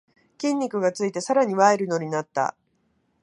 筋肉がついてさらにワイルドになった